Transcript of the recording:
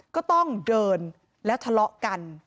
ก็ต้องเดินแล้วทะเลาะกัน